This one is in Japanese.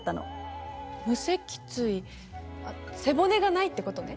無脊椎背骨がないってことね。